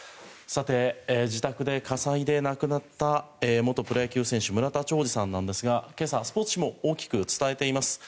自宅で火災で亡くなった元プロ野球選手村田兆治さんなんですが今朝、スポーツ紙も大きく伝えています。